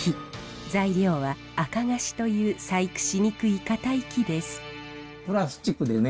材料はアカガシという細工しにくい固い木です。